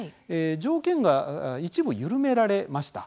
条件が一部緩められました。